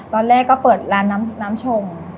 ตอนแรกก็เปิดร้านน้ำชง